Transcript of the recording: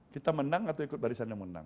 kita menang atau ikut barisan yang menang